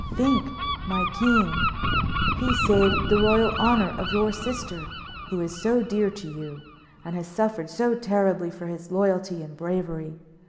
Think, my king! He saved the royal honor of your sister, who is so dear to you, and has suffered so terribly for his loyalty and bravery.